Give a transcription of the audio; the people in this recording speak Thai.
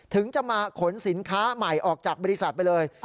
ถึงจะมาขนสินค้าใหม่ออกจากบริษัทไปเลย